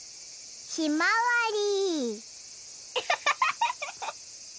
ひまわり。